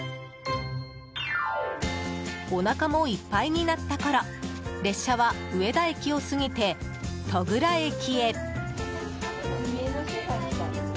おなかもいっぱいになったころ列車は上田駅を過ぎて戸倉駅へ。